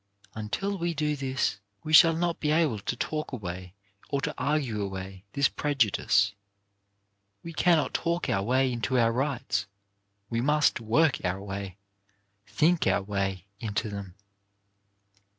Until we do this, we shall not be able to talk away, or to argue away, this prejudice. We cannot talk our way into our rights ; we must Work our way, think our way, into them.